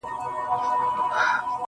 چي مي بایللی و، وه هغه کس ته ودرېدم .